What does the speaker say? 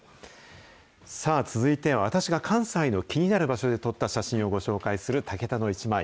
さあ、続いては、私が関西の気になる場所で撮った写真をご紹介するタケタのイチマイ。